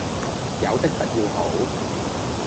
有的不要好，